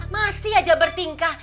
masih aja bertingkah